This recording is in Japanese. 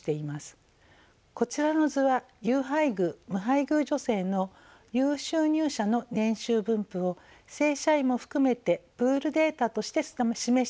こちらの図は有配偶無配偶女性の有収入者の年収分布を正社員も含めてプールデータとして示したものになります。